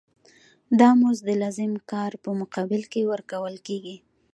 دا مزد د لازم کار په مقابل کې ورکول کېږي